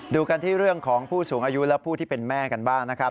ดูกันที่เรื่องของผู้สูงอายุและผู้ที่เป็นแม่กันบ้างนะครับ